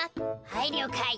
はいりょうかい。